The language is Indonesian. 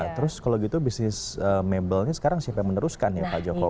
terus kalau gitu bisnis mebelnya sekarang siapa yang meneruskan ya pak jokowi